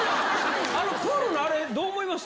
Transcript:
プールのあれ、どう思いまし